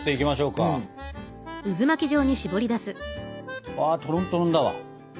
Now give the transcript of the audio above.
うわトロントロンだわ。